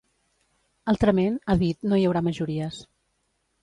Altrament, ha dit, no hi haurà majories.